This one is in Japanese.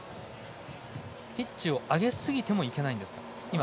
ピッチを上げすぎてもいけないんですか。